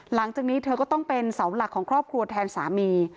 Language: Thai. หลังจากนี้เธอก็ต้องเป็นเสาหลักของครอบครัวแทนสามี